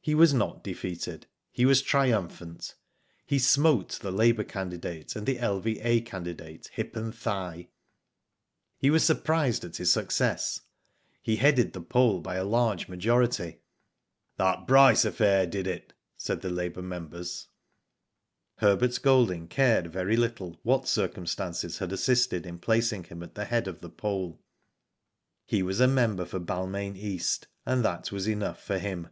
He was not defeated. He was triumphant. He smote the labour candidate and the L.V.A. candidate hip and thigh. He was surprised at his success. He headed the poll by a large majority. ''That Bryce affair did it," said the labour members. Digitized byGoogk THE NEW MEMBER. 35 Herbert Golding cared very little what circum stances had assisted in placing him at the head of the poll. He was a member for Balmain East, and that was enough for him.